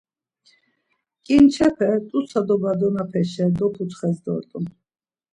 Ǩinçepe t̆utsa dobadonapeşa doputxes dort̆un.